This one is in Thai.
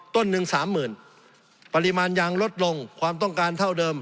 ต้นหนึ่งสามหมื่นปริมาณยางลดลงความต้องการเท่าเดิม